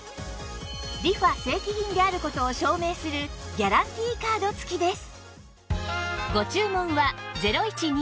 ＲｅＦａ 正規品である事を証明するギャランティーカード付きです